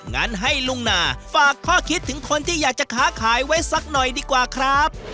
งั้นให้ลุงนาฝากข้อคิดถึงคนที่อยากจะค้าขายไว้สักหน่อยดีกว่าครับ